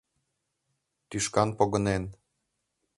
Тӱшкан погынен.